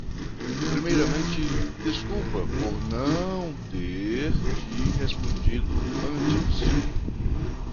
Primeiramente, desculpa por não ter te respondido antes.